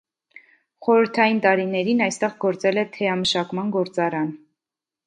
Խորհրդային տարիներին այստեղ գործել է թեյամշակման գործարան։